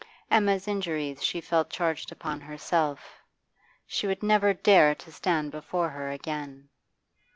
Emma's injuries she felt charged upon herself; she would never dare to stand before her again.